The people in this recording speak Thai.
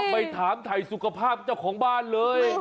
ไม่ถามถ่ายสุขภาพเจ้าของบ้านเลย